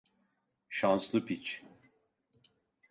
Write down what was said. Şanslı piç.